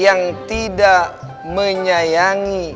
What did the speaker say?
yakni yang tidak menyayangi